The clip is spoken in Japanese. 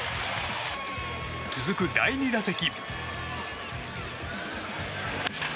続く第２打席。